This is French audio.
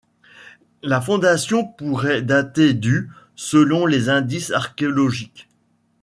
La fondation pourrait dater du selon des indices archéologiques.